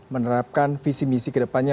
menerapkan visi misi ke depannya